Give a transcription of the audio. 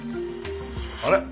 あれ？